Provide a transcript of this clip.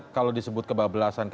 kalau disebut kebablasan